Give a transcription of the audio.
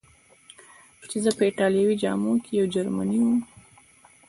چې زه په ایټالوي جامو کې یو جرمنی ووم.